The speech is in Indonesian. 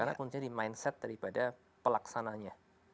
karena kuncinya di mindset daripada pelaksananya